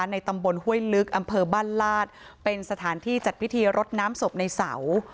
ในตำบลห้วยลึกอำเภอบ้านลาดเป็นสถานที่จัดพิธีรดน้ำศพในเสา